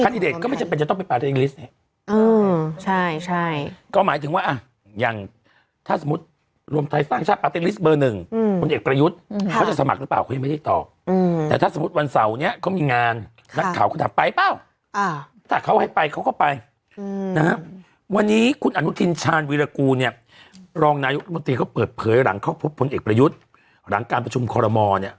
วันนี้เชิญเมื่อไหมคะวันนี้เชิญเมื่อไหมคะวันนี้เชิญเมื่อไหมคะวันนี้เชิญเมื่อไหมคะวันนี้เชิญเมื่อไหมคะวันนี้เชิญเมื่อไหมคะวันนี้เชิญเมื่อไหมคะวันนี้เชิญเมื่อไหมคะวันนี้เชิญเมื่อไหมคะวันนี้เชิญเมื่อไหมคะวันนี้เชิญเมื่อไหมคะวันนี้เชิญเมื่อไหมคะวันนี้เชิญเมื่อไหมคะวันนี้เชิญเมื่อไ